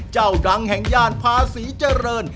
เจ้าดังแห่งย่านภาษีเจริญ